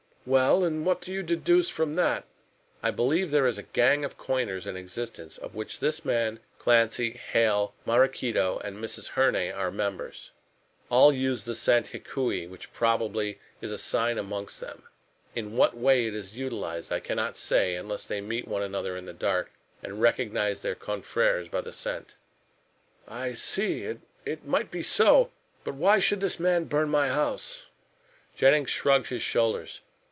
"Well, and what do you deduce from that?" "I believe that there is a gang of coiners in existence, of which this man, Clancy, Hale, Maraquito and Mrs. Herne are members. All use the scent Hikui, which probably is a sign amongst them. In what way it is utilized I cannot say, unless they meet one another in the dark, and recognize their confreres by the scent." "I see. It might be so. But why should this man burn my house?" Jennings shrugged his shoulders.